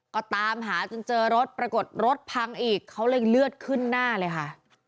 ก็ตามหาจนเจอรถปรากฏรถพังอีกเขาเลยเลือดขึ้นหน้าเลยค่ะ